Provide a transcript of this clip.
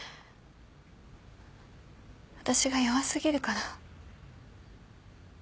私が弱過ぎるから。